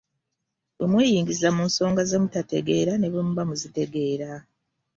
“Bwe mweyingiza mu nsonga ze mutategeera ne bwe muba muzitegeera"